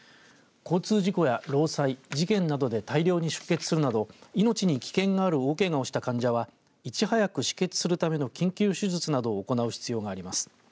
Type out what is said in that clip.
交通事故や労災、事件などで大量に出血するなど命に危険がある大けがをした患者はいち早く止血するための緊急手術などを行う必要があります。